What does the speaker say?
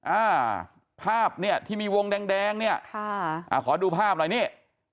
อ้าวภาพเนี่ยที่มีวงแดงเนี่ยขอดูภาพอะไรเนี่ย